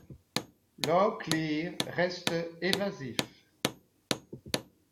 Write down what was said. Locklear reste évasif...